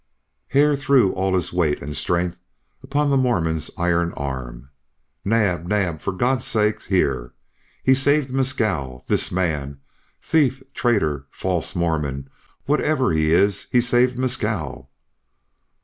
Hare threw all his weight and strength upon the Mormon's iron arm. "Naab! Naab! For God's sake, hear! He saved Mescal. This man, thief, traitor, false Mormon whatever he is he saved Mescal."